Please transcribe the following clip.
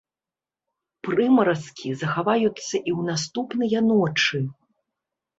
Прымаразкі захаваюцца і ў наступныя ночы.